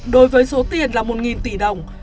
đối với số tiền là một tỷ đồng